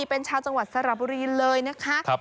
เป็นชาวจังหวัดสระบุรีเลยนะคะ